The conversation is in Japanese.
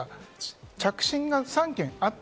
着信が３件あった。